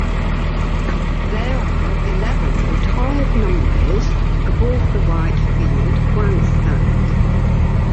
There are eleven retired numbers above the right field grandstand.